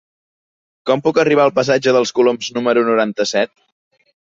Com puc arribar al passatge dels Coloms número noranta-set?